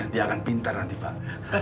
dia akan pintar nanti pak